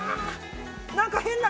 何か変な。